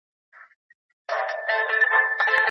ښایي هغه پخپله اوږه ډېري مڼې وړي وي.